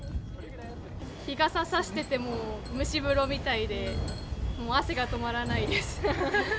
日傘差してても、蒸し風呂みたいで、もう汗が止まらないです。